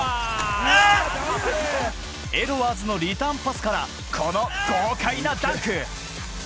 エドワーズのリターンパスから、この豪快なダンク。